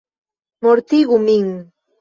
Mortigu min!